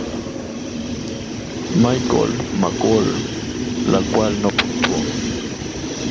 Michelle McCool, la cual no puntuó.